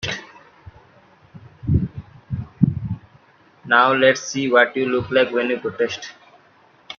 Now let's see what you look like when you protest.